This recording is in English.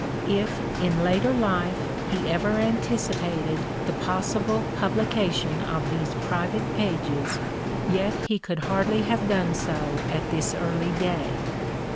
If in later life he ever anticipated the possible publication of these private (p. 066) pages, yet he could hardly have done so at this early day.